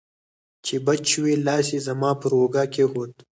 چې بچ شوې، لاس یې زما پر اوږه کېښود.